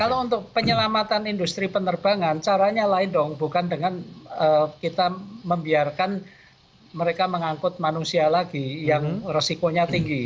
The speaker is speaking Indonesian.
kalau untuk penyelamatan industri penerbangan caranya lain dong bukan dengan kita membiarkan mereka mengangkut manusia lagi yang resikonya tinggi